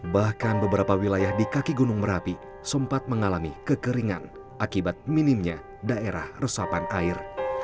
bahkan beberapa wilayah di kaki gunung merapi sempat mengalami kekeringan akibat minimnya daerah resapan air